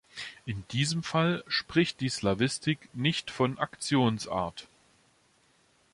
In diesem Fall spricht die Slawistik nicht von Aktionsart.